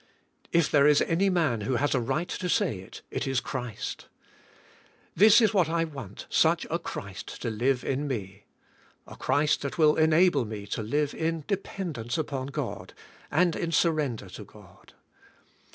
If there is any man who has a right to say it, it is Christ. This is what I want, such a Christ to live in me. A Christ that will enable me to live in dependence upon God, and in surrender to God.